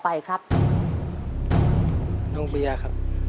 จิตตะสังวโรครับ